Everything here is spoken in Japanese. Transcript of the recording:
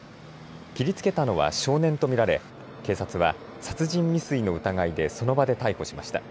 切りつけたのは少年と見られ、警察は殺人未遂の疑いでその場で逮捕しました。